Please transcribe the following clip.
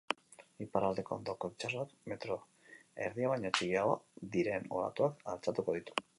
Iparraldeko hondoko itsasoak metro erdia baino txikiagoak diren olatuak altxatuko ditu.